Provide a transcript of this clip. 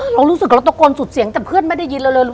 เรารู้สึกกับเราตะโกนสุดเสียงแต่เพื่อนไม่ได้ยินเราเลย